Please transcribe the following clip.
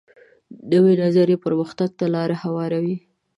نوی نظریات پرمختګ ته لار هواروي